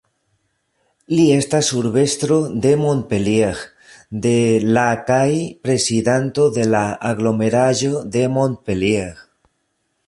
Li estas urbestro de Montpellier de la kaj prezidanto de la Aglomeraĵo de Montpellier.